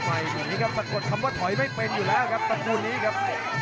อันนี้ครับสังควรคำว่าถอยไม่เป็นอยู่แล้วครับตระกูลนี้ครับ